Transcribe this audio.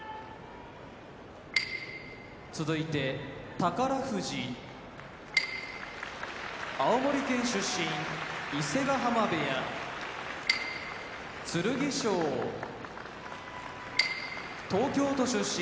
宝富士青森県出身伊勢ヶ濱部屋剣翔東京都出身